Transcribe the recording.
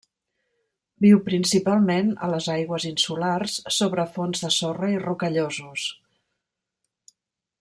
Viu principalment a les aigües insulars, sobre fons de sorra i rocallosos.